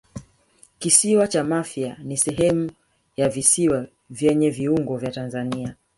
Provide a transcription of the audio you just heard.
Kisiwa cha Mafia ni sehemu ya visiwa vyenye viungo vya Tanzania